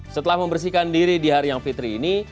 setelah membersihkan diri di hari yang fitri ini